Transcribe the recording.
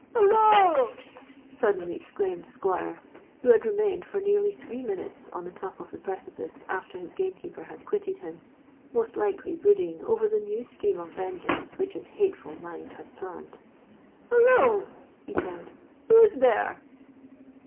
'Holloa!' suddenly exclaimed the Squire, who had remained for nearly three minutes on the top of the precipice after his gamekeeper had quitted him—most likely brooding over the new scheme of vengeance which his hateful mind had planned: 'holloa!' he said; 'who is there?'